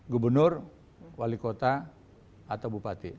gubernur wali kota atau bupati